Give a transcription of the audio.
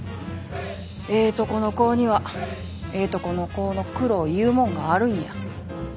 ええとこの子ぉにはええとこの子ぉの苦労いうもんがあるんや。